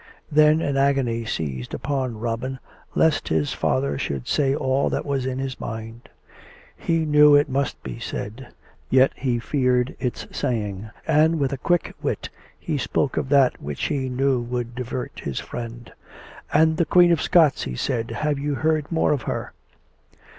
Then an agony seized upon Robin lest his father should say all that was in his mind. He knew it must be said; yet he feared its saying, and with a quick wit he spoke of that which he knew would divert his friend. COME RACK! COME ROPE! 21 " And the Queen of the Scots," he said. " Have you heard more of her?